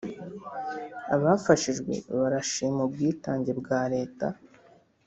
Abafashijwe barashima ubwitange bwa leta